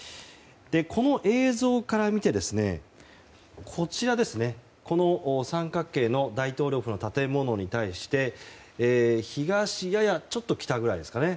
この映像から見て三角形の大統領府の建物に対して東、ややちょっと北くらいですかね